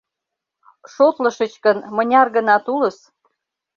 Шотлышыч гын, мыняр-гынат улыс.